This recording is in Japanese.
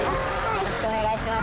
よろしくお願いします。